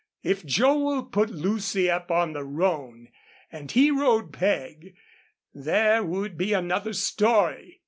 If Joel put Lucy up on the Roan and he rode Peg there would be another story.